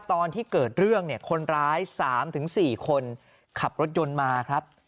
ตอนที่เกิดเรื่องเนี่ยคนร้าย๓๔คนขับรถยนต์มาครับ